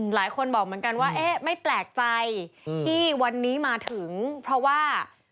หลายคนบอกเหมือนกันว่าเอ๊ะไม่แปลกใจที่วันนี้มาถึงเพราะว่า